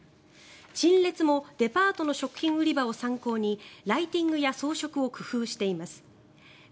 陳列もデパートの食品売り場を参考にライティングや装飾を工夫しています。